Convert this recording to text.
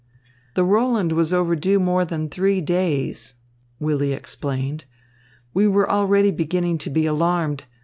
"The Roland was overdue more than three days," Willy explained. "We were already beginning to be alarmed.